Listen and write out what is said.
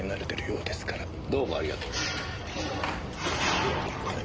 ではこれで。